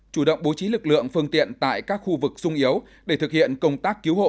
chủ động bố trí lực lượng phương tiện tại các khu vực sung yếu để thực hiện công tác cứu hộ